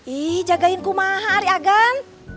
ih jagain ku maha ari agan